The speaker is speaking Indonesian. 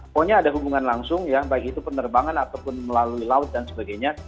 pokoknya ada hubungan langsung ya baik itu penerbangan ataupun melalui laut dan sebagainya